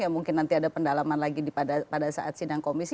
mungkin nanti ada pendalaman lagi pada saat sidang komisi